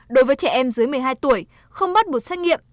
đối với trẻ em dưới một mươi hai tuổi không bắt một xét nghiệm